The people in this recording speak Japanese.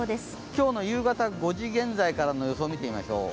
今日の夕方５時現在からの予想を見ていきましょう。